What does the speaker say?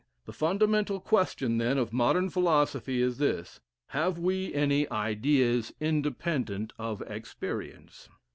The fundamental question, then, of modern philosophy is this Have we any ideas independent of experience?"